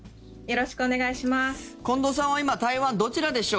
よろしくお願いします。